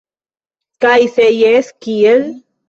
Kaj se jes, kiel?